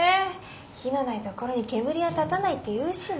「火のない所に煙は立たない」って言うしね。